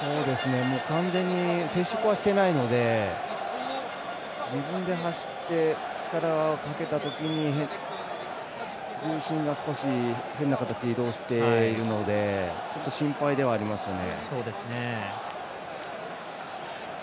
完全に接触はしてないので自分で走って、力をかけたときに重心が少し変な形で移動しているので心配ではありますね。